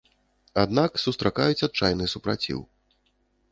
Аднак сустракаюць адчайны супраціў.